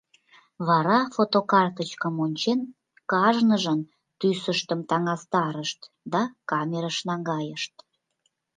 Вара, фотокартычкым ончен, кажныжын тӱсыштым таҥастарышт да камерыш наҥгайышт.